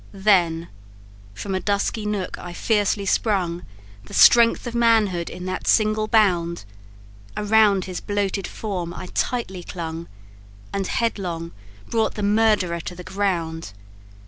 Then from a dusky nook I fiercely sprung, The strength of manhood in that single bound: Around his bloated form I tightly clung, And headlong brought the murderer to the ground.